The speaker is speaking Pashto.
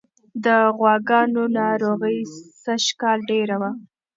د غواګانو ناروغي سږکال ډېره وه.